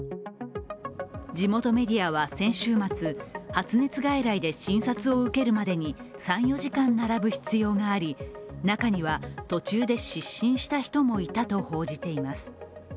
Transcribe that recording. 地元メディアは先週末発熱外来で診察を受けるまでに３４時間並ぶ必要があり、中には途中で失神した人もいたと報じています。